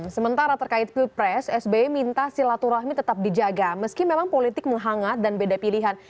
sementara terkait pilpres sbi minta silaturahmi tetap dijaga meski memang politik menghangat dan beda pilihan